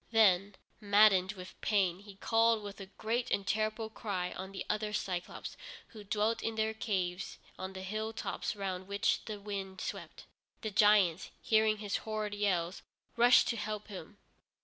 Then, maddened with pain, he called with a great and terrible cry on the other Cyclôpes, who dwelt in their caves on the hill tops round which the wind swept. The giants, hearing his horrid yells, rushed to help him.